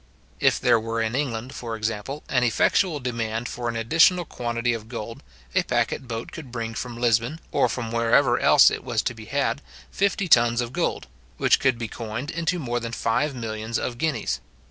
If there were in England, for example, an effectual demand for an additional quantity of gold, a packet boat could bring from Lisbon, or from wherever else it was to be had, fifty tons of gold, which could be coined into more than five millions of guineas.